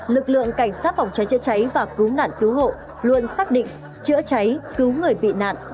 lực lượng cảnh sát phòng cháy chữa cháy và cứu nạn cứu hộ luôn xác định chữa cháy cứu người bị nạn